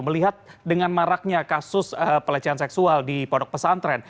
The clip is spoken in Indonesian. melihat dengan maraknya kasus pelecehan seksual di pondok pesantren